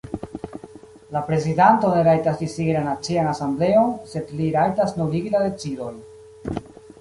La prezidanto ne rajtas disigi la Nacian Asembleon, sed li rajtas nuligi la decidojn.